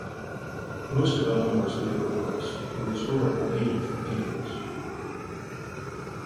Most of Elmore's later works were historical narrative paintings.